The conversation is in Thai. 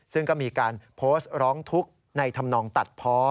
ซึ่งก็มีการโพสต์ร้องทุกข์ในธรรมนองตัดเพาะ